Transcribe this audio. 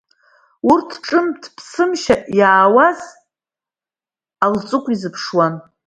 Урҭгьы ҿымҭ-ԥсымшьа, иаауаз Алҵыкә изыԥшуан.